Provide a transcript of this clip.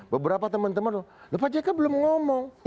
beberapa temen temen pak jk belum ngomong